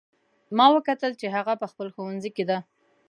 ما وکتل چې هغه په خپل ښوونځي کې ده